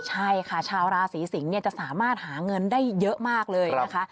ใช่ค่ะชาวราศีสิงศ์จะสามารถหาเงินได้เยอะมากเลยนะคะ